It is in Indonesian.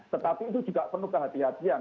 tetapi itu juga penuh kehati hatian